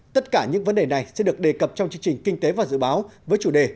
tất cả những vấn đề này sẽ được đề cập trong chương trình kinh tế và dự báo với chủ đề